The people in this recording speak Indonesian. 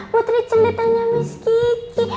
putri celetanya miss kiki